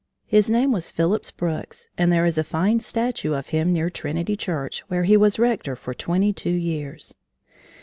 His name was Phillips Brooks, and there is a fine statue of him near Trinity Church, where he was rector for twenty two years.